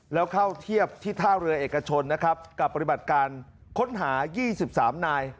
แล้วเข้าเทียบที่ท่าเรือเอกชนนะครับกับปฏิบัติการค้นหา๒๓นาย